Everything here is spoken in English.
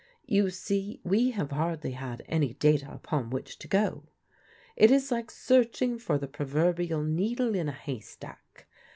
You see we have hardly had any data upon which to go. It IS like searching for the proverbial needle in a hay stack.